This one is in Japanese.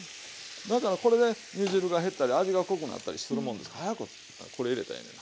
だからこれで煮汁が減ったり味が濃くなったりするもんですから早くこれ入れたらええねんな。